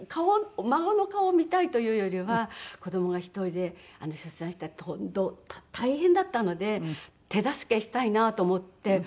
孫の顔を見たいというよりは子供が１人で出産したって本当大変だったので手助けしたいなと思って。